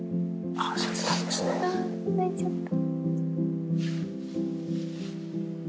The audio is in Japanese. あぁ泣いちゃった。